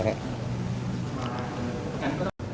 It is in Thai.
จากนั้นทางการสืบสวนเนี่ยค่ะ